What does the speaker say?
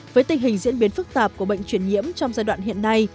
với tình hình diễn biến phức tạp của bệnh chuyển nhiễm trong giai đoạn hiện nay